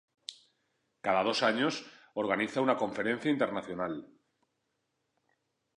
Cada dos años organiza una conferencia internacional.